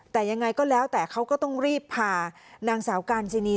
แต่ยังไงก็แล้วแต่เขาก็ต้องรีบพานางสาวกาญจินี